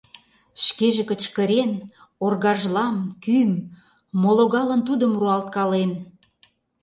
Шкеже кычкырен, оргажлам, кӱым — мо логалын тудым руалткален.